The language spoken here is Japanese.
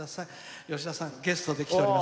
吉田さん、ゲストで来てます。